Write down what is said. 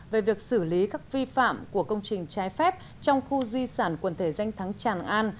về việc xử lý các vi phạm của công trình trái phép trong khu di sản quần thể danh thắng tràng an